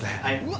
はい。